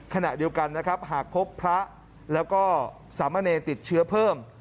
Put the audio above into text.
ขณะเดียวกันนะครับหากพบพระแล้วก็สามเณรติดเชื้อเพิ่ม